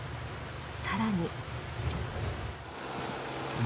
更に。